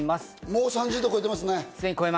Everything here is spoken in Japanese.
もう３０度超えてますね。